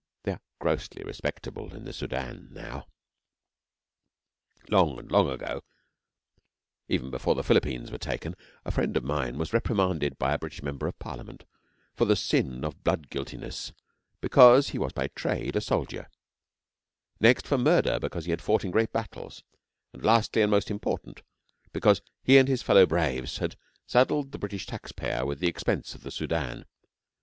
They are grossly respectable in the Soudan now. Long and long ago, before even the Philippines were taken, a friend of mine was reprimanded by a British Member of Parliament, first for the sin of blood guiltiness because he was by trade a soldier, next for murder because he had fought in great battles, and lastly, and most important, because he and his fellow braves had saddled the British taxpayer with the expense of the Soudan.